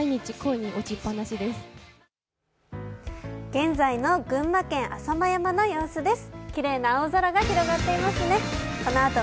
現在の群馬県浅間山の様子です。